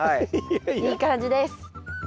いい感じです。